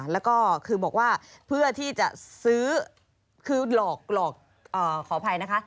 แล้วก็คือบอกว่าเพื่อที่จะซื้อคือหลอกขออภัยนะคะ